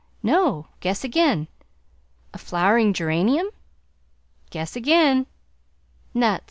"No; guess again." "A flowering geranium?" "Guess again!" "Nuts?